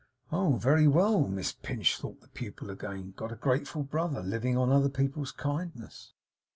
'Oh very well, Miss Pinch!' thought the pupil again. 'Got a grateful brother, living on other people's kindness!